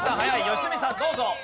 良純さんどうぞ。